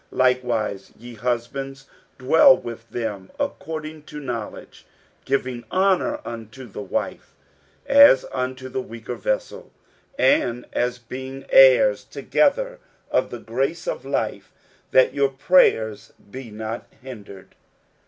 60:003:007 Likewise, ye husbands, dwell with them according to knowledge, giving honour unto the wife, as unto the weaker vessel, and as being heirs together of the grace of life; that your prayers be not hindered.